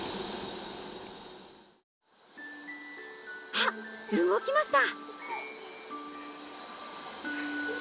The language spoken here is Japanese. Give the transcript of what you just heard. あっ動きました！